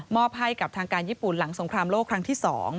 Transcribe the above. ให้กับทางการญี่ปุ่นหลังสงครามโลกครั้งที่๒